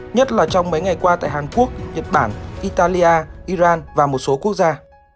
nhất là trong mấy ngày qua tại hàn quốc nhật bản italia iran và một số quốc gia